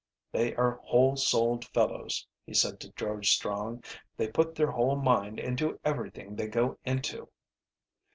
"They are whole souled fellows," he said to George Strong. "They put their whole mind into everything they go into."